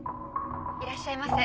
いらっしゃいませ。